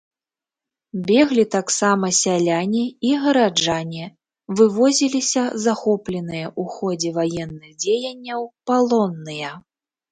Беглі таксама сяляне і гараджане, вывозіліся захопленыя ў ходзе ваенных дзеянняў палонныя.